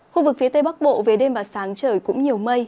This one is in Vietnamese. khu vực phía tây bắc bộ về đêm và sáng trời cũng nhiều mây